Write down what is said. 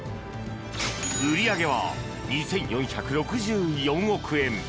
売り上げは２４６４億円！